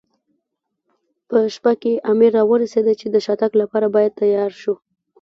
په شپه کې امر را ورسېد، چې د شاتګ لپاره باید تیار شو.